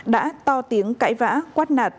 đã to tiếng cãi vã quát nạt